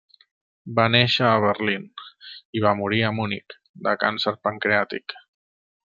Va néixer a Berlín i va morir a Munic de càncer pancreàtic.